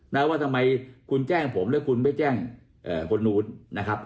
นะว่าทำไมคุณแจ้งผมแล้วคุณไม่แจ้งเอ่อคนนู้นนะครับ